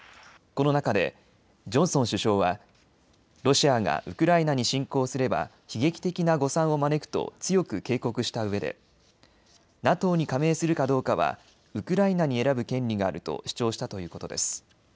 この中で、ジョンソン首相はロシアがウクライナに侵攻すれば、悲劇的な誤算を招くと強く警告したうえでＮＡＴＯに加盟するかどうかはウクライナに選ぶ権利があると主張したということです。